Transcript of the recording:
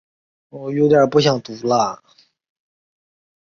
现任东首尔大学公演艺术学部兼任教授。